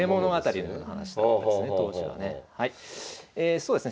そうですね